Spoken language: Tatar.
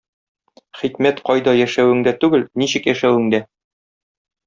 Хикмәт кайда яшәвеңдә түгел, ничек яшәвеңдә.